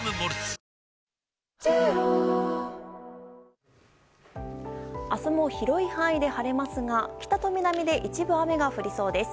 くーーーーーっ明日も広い範囲で晴れますが北と南で一部雨が降りそうです。